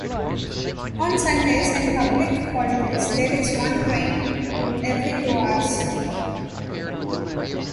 On Sundays and public holidays there is one train every two hours.